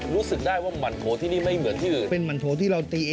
แล้วยิ่งหอมไปกว่านั้นเลือกคุณทานมันโถเข้าไป